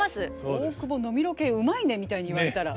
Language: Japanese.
「大久保飲みロケうまいね」みたいに言われたら。